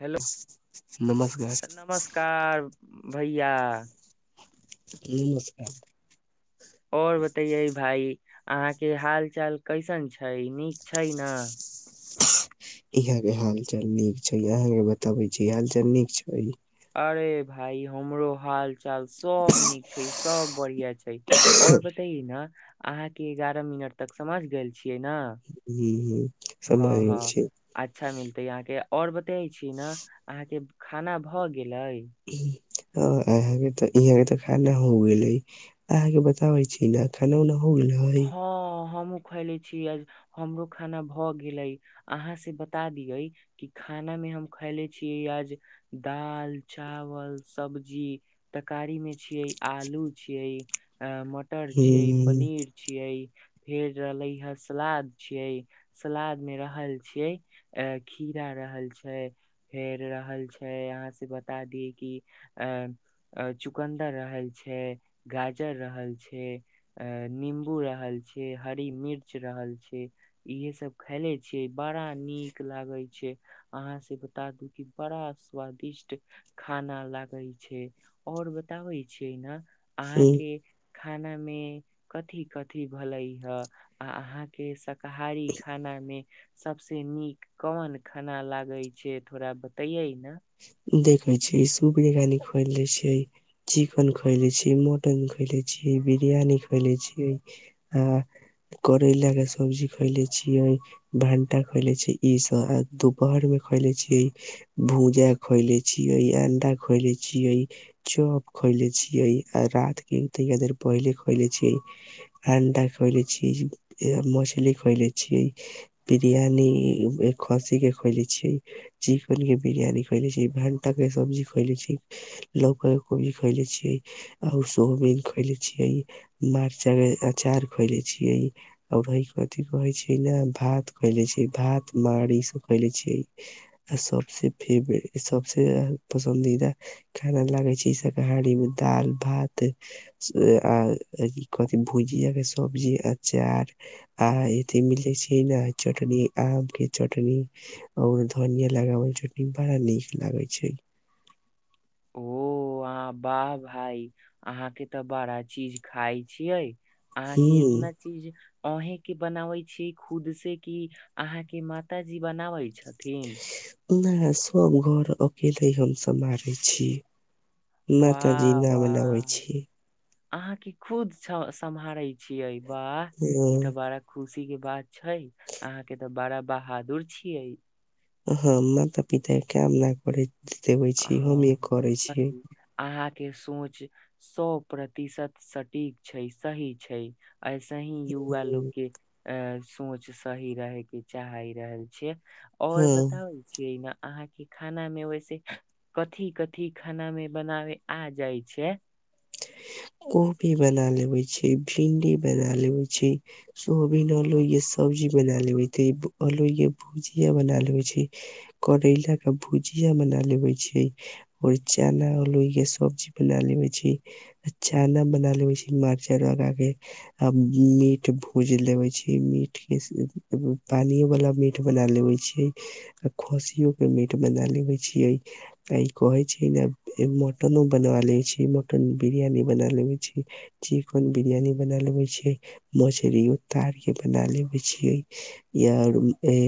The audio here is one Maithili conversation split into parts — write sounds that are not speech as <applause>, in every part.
हेलो नमस्कार नमस्कार भैया नमस्कार और बातैये भाई अहाँकेँ हाल चाल कैसन छै नीक छै न‌ऽ यहा के हाल चाल नीक छै यहा के बताबे छी हाल चाल नीक छै अरे भाई हमरो हाल चाल सब नीक छै सब बढ़िया छै और बताए न‌ऽ अहाँके एगारह मिनट तक समझ गेल छियै न‌ऽ ये समय हे छै अच्छा मिलते अहाँकेँ और बताइ छी न‌ऽ अहाँकेँ खाना भऽ गेलै एहँके तऽ <unintelligible> खऽ नहि हो गेलै। अहाँकेँ बताबै छी न खाना उना हो गेलय है हँ, हमूॅं खयले छीयलि हमरो खाना भऽ गेलै। अहा से बता दियै कि खानामे हम खयले छियै आज दाल चावल सब्जी तरकारी मे छियै आलू छियै अ मटर छियै पनीर छियै फेर रहले हे सलाद छियै। सलाद मे रहल छियै अ खीरा रहल छै फेर रहल छै आहाँ से बता दिय कि अ चुकन्दर रहल छै गाजर रहल छै अ निम् बू रहल छै हरी मिर्च रहल छै इहे सब खैले छियै बड़ा नीक लागै छै अहाँ से बता दू कि बड़ा स्वादिष्ट खाना लागै छै आओर बताबै छियै ने ह अहाँके खाना मे कथी कथी भलहि आ अहाँके शाकाहारी खाना मे सबसे नीक कोन खाना लागे छै थोड़ा बतैयै ने देखे छी सुप कानी <unintelligible> खोल ले छै चिकन खएले छीयै मोटन खैले छीयै बिरयानी खैले छीयै आ करैला के सब्जी खइले छीयै भंटा खएले छी इ सब आ दुपहर मे खोएले छियै भूजा खईले छीयै अंडा खयले छीयै चौप खयले छियै आय रात के त पहिले खैलेय छियै अण्डा खइले छी मछली खइले छिये बिरियानी खसी के खोले छियै चिकेन के बिरियानी रेले छी भंटा के सब्जी खएले छी लौका के कोबी खेले छी आ सोबीन खोएले छियै मरचा के अचार खोएले छियै आओरथिी कहै छै ने भात खैले छै भात मारीसँ खैले छियै आ सबसे फेवरेट सबसे पसन्दीदा खाना लागे छै ई शाकाहारी मे दाल भात आ कथिी भुजिया के सब्जी आ अचार आ एते मिले छै ने चटनी आम के चटनी ओ धनिया लगाबल चटनी बड़ा नीक लागै छै ओ वाह वाह भाई अहााँ के तऽ बड़ा चीज खााय छियै अहाँके हूं। इतना चीज आहें के बनाबे छी खुद से की अहाँके मातााजी बनाबै छथिन नई सब घर अकेले हम समहारे छीय मातााजी वाह ना बनाबै वाह छी अहाँके खुद सम्हारे छियै वाह ई त अ, बारा खुशी के बात छै अहाँ के तऽ बड़ा बहादुर छियै ह माता पिता काम ना करे देबे छी हमही करे छियै अहााँ के सोच सौ प्रतिशत सटीक छै सही छै ऐसे ही युवा लोकके अ सोच सही रहे के चाही रहल छियै और हाँ बताउ छियै ने अहाँके खानामे वैसे कथी कथी खाना मे बनाव आ जाइ छै कोभी बना लेबे छीये भिंडी बना लेबे छीये सोबीन अलोय सब्जी बना ले छैे अलोे भुजिया बना लेे छैये करैला के भुजिया बना लेबे छिये और चना आलू के सब्जी बना लेवे छिये अ चन्ना बना लेबै छी मरचार लगा के अ मीट भूज लेवे छिये मीट के पानि वाला मीट मीट बना लेवे छीिये खोसियो के मीट बना लेवे छीिये आ ई कहे छै ने मटनो बना ले छी मटन बिरियानी बना लेबे छी चिकन बिरियानी बना लेबे छियै मछली उतार के बना लेबे छीियै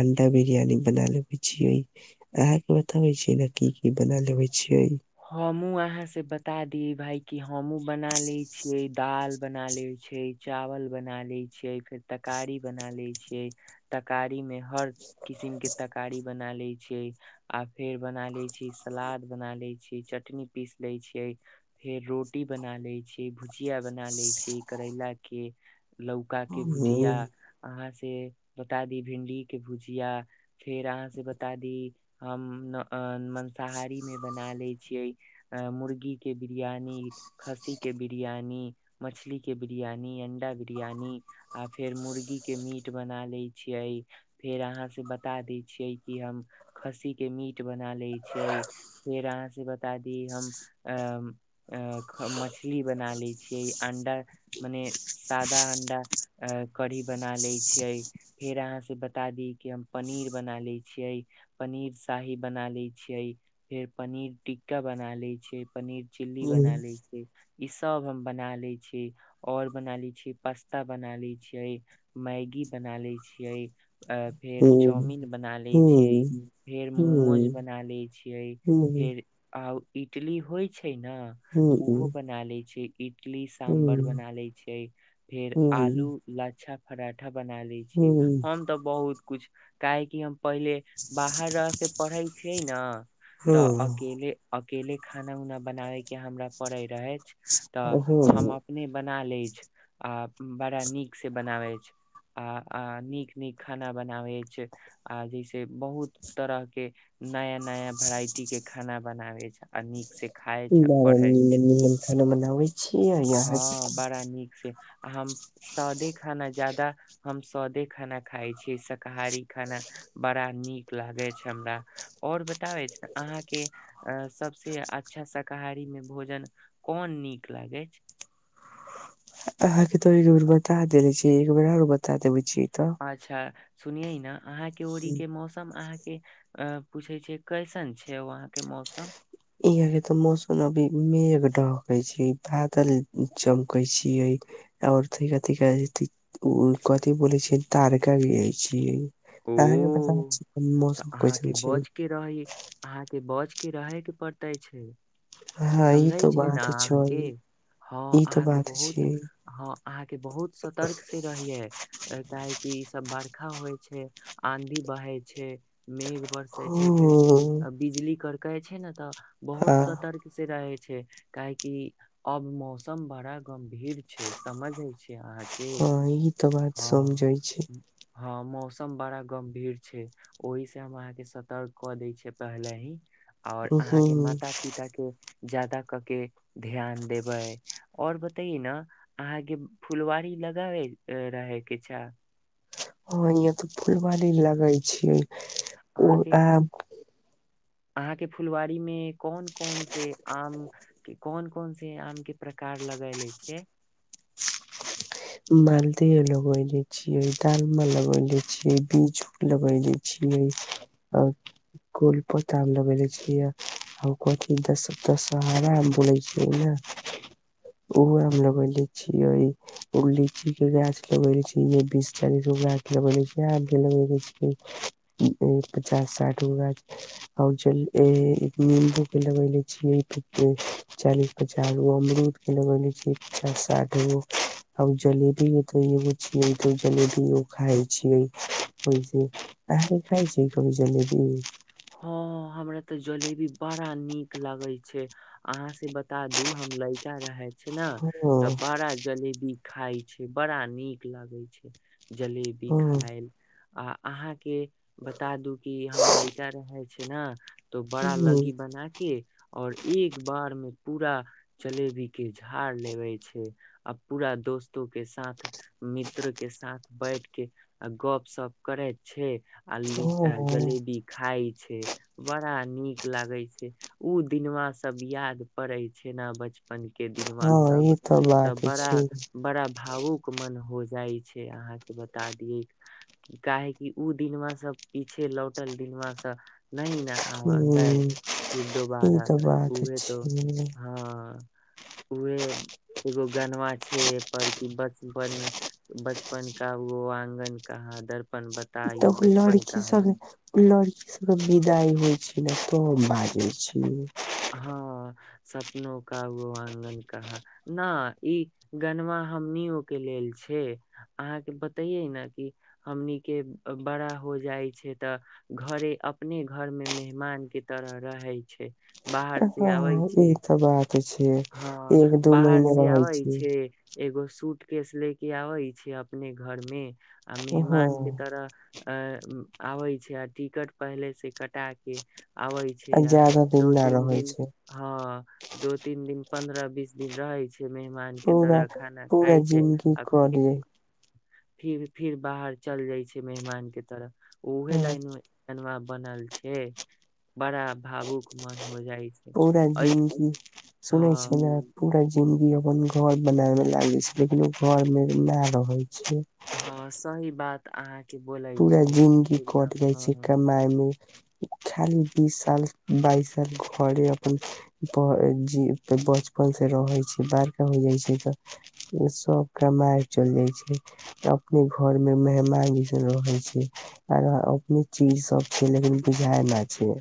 अंडा बिरियानी बना लेबै छीिय अहाँकेँ बताबै छीियै ने की की बना लेबे छियै हमूँ अहाँ से बता दिय भाय कि हमूँ बना ले छियै दाल बना लेबे छै चावल बना लैत छियै फेर तरकारी बना लैत छियै तकारी में हर किसिम के तरकारी बना ले छैियै आ फेर बना लैत छीय सलाद बना लैत छीिय चटनी पीस लैत छियै फेर रोटी बना लैत छै भुजिया बना लै छिये करैलाक के लौका के भुजिया अहाँ से बता दी भिं्डी के भुजिया फेर अहाँ से बता दी हम मंसाहारी मे बना ले छिय अ मुर्गी के बिरियानी खस्सी के बिरयानी मछली के बिरयानी अंडा बिरयानी आ फेर मुर्गी के मीट बना लैत छियै फेर अहाँसँ बता दै छियै कि हम खस्सीके मीट बना लैत छियै फेर अहाँ से बता दी हम अ अ मछली बना लैत छियै अंडा मने सादा अंडा अ कढ़ी बना लैत छियै फेर अहाँसँ बता दी कि हम पनीर बना लैत छियै पनीर शाही बना ले छियै फेर पनीर ट टिक्का बना ले छै पनीर चिल्ली बना ले छियै इ सब हम बना ले छीयै और बना ले छीय पास्ता बना ले छियै मैगी बना लैत छियै आ फेर चाउमिन बना लैत छियै फेर मोमोज बना लैत छियै फेर आ इटली होइ छै ने ओहो बना ले छै इटली साम्बर बना ले छै फेर आलू लच्छा पराठा बना ले छै हम तऽ बहुत कुछ काहेकि हम पहिले बाहर रहके पढ़ल छै ने तऽ अकेले अकेले खाना उना बनाबैके हमरा पड़ै रह अछि तऽ हम अपने बना लै अछि आ बड़ा नीक से बनाब अछि आ आ नीक नीक खाना बनाबै छै आ जैसे बहुत तरह के नया नया वेराइटी के खाना बनावे छै आ नीक से खााय छै आ बड़ा पढ़ै छै निमन-निमन खाना बनावे छिये अहाँ हँ के बड़ा नीक से हम सदे खाना जादा हम सदे खाना खाइ छियै शाकाहारी खाना बड़ा नीक लागैत छै हमरा आओर बताबै ने अहाँके अ सबस अच्छा शाकाहारी मे भोजन कोन नीक लागे छै अहाँके त एक बेर बता देेले छी एक बेर आर बता देबे छी तऽ अच्छा सुनियै ने अहाँके ओड़ी के मौसम अहाँके अ पूछे छै कैसन छै वहाँ के मौसम यहाँ के ते मौसम अभी मेघ ढह छै बादल चमक छैे आरथथ ओ कथी छ तारका गिरै छीयै ओ हँ पता अछि तऽ अहाँके बच के रहै अहाँके बच के रहे के पड़ते छै हाँ ई समझाय तो छै ने बात छै अहाँके हँ ई तो अहाँके बात बहुत छिये हँ अहाँके बहुत सतर्क से रहियै काहेकि इ सब बर्खा होइ छै आंधी बहे छै मेघ बर फेर हूँ बिजली करकै छै ने तऽ बहुत हाँ सतर्क से रहै छै काहेकि अब मौसम बड़ा गमभीर छै समझै छै अहाँके हाँ ई तो बात हँ समझे छी हँ मौसम बड़ा गम्भीर छै ओहि से हम अहाँके सतर्क कऽ दै छियै पहिले ही आऔर अहाँके उहूँ माता पिता के जादा कऽ के ध्यान देबै और बतइए ने अहाँके फुलवारी लगाबे रहेके छै ह यहाँ ते फुलवारी लगे छीयै अहाँके अहाँके फुलवाारी में कोन कोन से आम कि कोन कोन से आम के प्रकार लगले छीयै मालदजह लगले छीयै डाल माल लगले छीयै बीज लगले छिय आ गूल <unintelligible> लगेेले छियै आ कथी दस दशहारा आम बोलै छियै ने ओहो हम लगेले छीयै ओ लीचीके गाछ लगेेले छी, बीस चालीस गाछ <unintelligible> लगेेले छी पचास-साठ गो गाछ <unintelligible> नींबूके लगैले छियै चालीस पचास गो अमरूदके लगेले छियै, पचास-साठ गो हम जलेबी नहि कहियो <unintelligible> जलेबियो खाइ छियै। अहाॅं खाइ छियै कहियो जलेबी? हँ हमरा तऽ जलेबी बड़ा नीक लागय छै। अहाँ से बता दू हम लइका रहे छी ने हाँ तऽ हाँ बड़ा जलेबी खाइ छी, बड़ा नीक लगै छै जलेबी खायमे। आ अहाँके बता दू कि हम लै रहै <unintelligible> छै ने तो बड़ा उम्म लऽग्गी बनाके और एक बारमे पूरा जलेबीके झाड़ लेबे छै आ पूरा दोस्तोके साथ मित्रके साथ बैठके आ गपशप करैत छी आ ली हाँ जलेबी खाय छै। बड़ा नीक लागै छै, ऊ दिनवा सब याद पड़ै छै ने बच- पनके दिनवा हाँ इ सब ते तऽ बात बड़ा, छै बड़ा भावुक- मन हो जाइ छै अहाँके बता दियै काहे कि ऊ दिनमा सभ, पीछे लौटल दिनमासॅं नहि ने आब औतै उम्म फिर इ दोबारा, ते बात उहे तऽ छै हँ उह एगो गनवा छै पर कि बचपन बचपन का वो आगन कहाँ, दर्पण ब- तब लड़की सब लड़की सभके विदाइ होइ छै ने तब बाजै छियै हँ सपनो का वो आंगन कहाॅं? ना, ई गनमा हमनिओ के लेल छै, अहाँके बतैयै ने कि हमनीके बड़ा हो जाइ छै तऽ घरे, अपने घरमे मेहमानके तरह रहै छै। बाहरसे आबै छै तऽ <unintelligible> बात छियै हँ बाहरसे आबै छै, एगो सूटकेश लेके आबै छी अपने घरमे आ मेहमानके हाँ तरह अ आबे छै आ टिकट पहिलेसे कटाके आबै छै, छैय आ ज्यादा दिन ना दो-तीन रहे दिन छै हँ दू तीन दिन, पन्द्रह-बीस दिन रहै छै मेह- -मानके पूरा तरह खाना पूरा खाय छै जिंदगी आ कट फेर जाय फिर, फिर बाहर चल जाइ छै मेहमानके तरफ उहे हँ लाइनमे गनमा बनल छै, बड़ा भावुक मन हो जाइ छै! पूरा ऐस जिनगी सुनै हँ छै ने पूरा जिनगी अपन घर बनाबऽमे लागे छै लेकिन ओ घरमे नहि रहै छै। हँ सही बात तऽ अहाँके बोल पूरा जिंदगी कट जाइ छै कमाय मे खाली बीस साल बाइस साल घरे अपन ब जी बचपन से रहै छै बारके हो जाइ छै तऽ सब कमाइ चल जाय छै अपने घर मे मेहमानी रहै छै और अपने चीज सब छै लेकिन बुझाय न छिये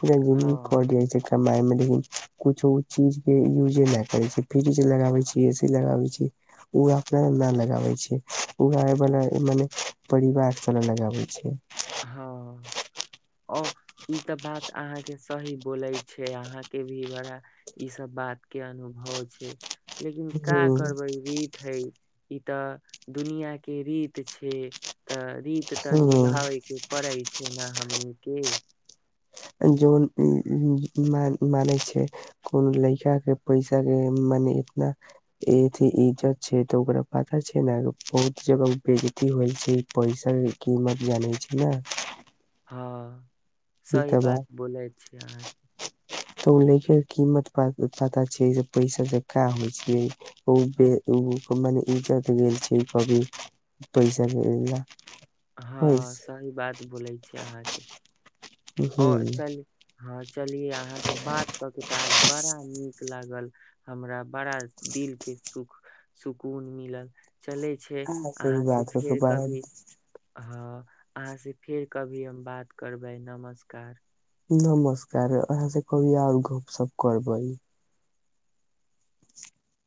पुरा जिंदगी कट हँ जाइ छै कमाय मे लेकिन कुछो चीज के यूजे नहि करे छी फ्रिज लगाबे छिये से लगाबे छिये ओ अपना लऽ न लगाबै छिये उऐ वला मने परिवार सव लऽ लगाबै छै हँ ओ ई तऽ बात अहाँके सही बोलै छै अहाँकेँ भी बड़ा ई सब बात के अनुभव छै लेकिन का हूं करबै रीत हइ ई तऽ दुनिया के रीत छै तऽ रीत तऽ हूं निभाबै केँ परै छै नऽ हमनीकेँ जन इ ई मान माने छै कोनो लइकाकेँ पैसाकेँ मने इतना एथी इज्जत छै तऽ ओकरा पता छै नऽ अहाँकेँ बहुत जगह उ बेजज्ती होइ छै पैसाकेँ किमत जानै छै नऽ हँ ई सही त बात बोलै छिये अहाँ तऽ ओ लइकाकेँ कीमत पता छै पैसा से का होइ छै ओ बे अकेँ माने ईज्जत गेल छै ई कभि पैसाे केँ लऽ हँ सही बात बोलै छिये अहाँकेँ आओर चलि हँ चलिये अहाँ से बात कऽ के तऽ आज बड़ा नीक लागल हमरा बड़ा दिल के सुख सुकून मिलल चलै छै अहाँ से भी अहाँसे बात कर के फेर बड़ा कभी हँ अहाँ से फेर कभी हम बात करबै नमस्कार नमस्कार अहाँ से कहियो आओर गप सप करबै